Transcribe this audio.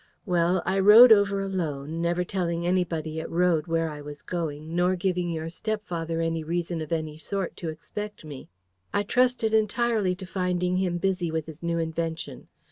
Well, I rode over alone, never telling anybody at Wrode where I was going, nor giving your step father any reason of any sort to expect me. I trusted entirely to finding him busy with his new invention.